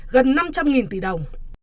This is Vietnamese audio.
gần năm trăm linh tỷ đồng